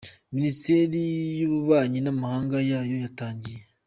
Minisiteri y’Ububanyi n’Amahanga yayo yatangiye.